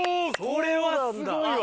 これはすごいわ！